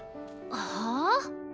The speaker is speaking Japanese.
はあ？